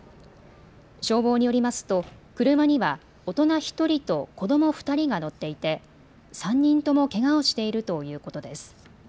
消防によりますと車には大人１人と子ども２人が乗っていて３人ともけがをしているということです。